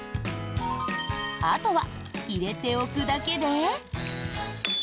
あとは、入れておくだけで。